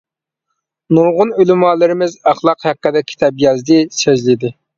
نۇرغۇن ئۆلىمالىرىمىز ئەخلاق ھەققىدە كىتاب يازدى، سۆزلىدى.